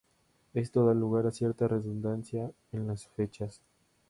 Esto da lugar a cierta redundancia en las fechas.